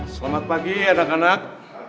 selamat pagi anak anak